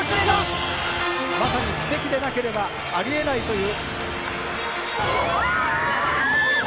まさに奇跡でなければありえないという。